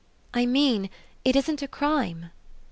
"I mean it isn't a crime."